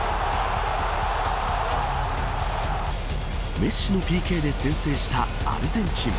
メッシのＰＫで先制したアルゼンチン。